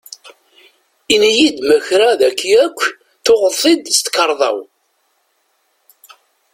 Ini-iyi-d ma kra dagi akk tuɣeḍ-t-id s tkarḍa-w?